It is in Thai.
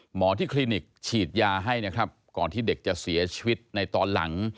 หมอที่คลินิกฉีดยาให้นะครับก่อนที่เด็กจะเสียชีวิตในตอนหลัง